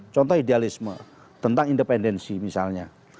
contoh idealisme tentang independensi misalnya